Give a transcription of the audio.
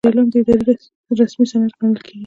استعلام د ادارې رسمي سند ګڼل کیږي.